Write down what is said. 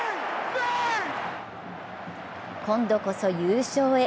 今度こそ優勝へ。